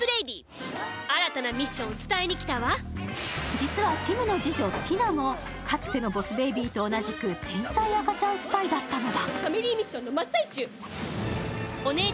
実はティムの次女・ティナもかつてのボス・ベイビーと同じく天才赤ちゃんスパイだったのだ。